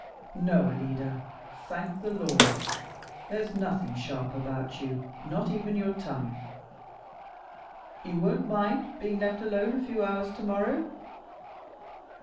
"No, Alida, thank the Lord! There's nothing sharp about you, not even your tongue. You won't mind being left alone a few hours tomorrow?"